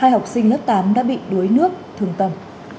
hai học sinh lớp tám đã bị đuối nước thương tâm